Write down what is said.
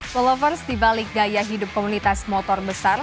follovers dibalik gaya hidup komunitas motor besar